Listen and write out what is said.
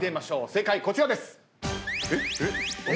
正解こちらです。